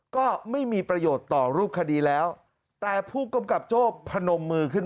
ก็ไม่มีประโยชน์ต่อรูปคดีแล้วแต่ผู้กำกับโจ้พนมมือขึ้น